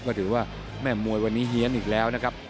ก็ถือว่าแม่มวยวันนี้เฮียนอีกแล้วนะครับ